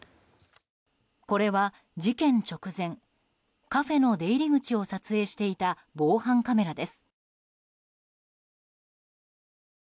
これは事件直前カフェの出入り口を撮影していた防犯カメラです。